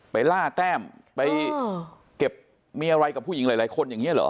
ล่าแต้มไปเก็บมีอะไรกับผู้หญิงหลายคนอย่างนี้เหรอ